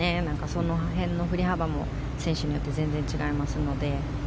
その辺の振り幅も選手によって全然違いますので。